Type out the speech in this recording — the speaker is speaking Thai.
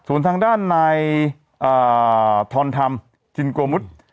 ส่วนทางด้านในทอนธรรมจินกวมุทธ์